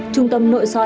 trung tâm nội so